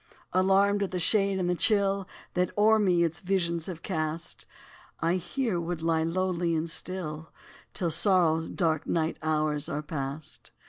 Alarmed at the shade and the chill, That o'er me its visions have cast, I here would lie lowly and still, Till sorrow's dark night hours are past.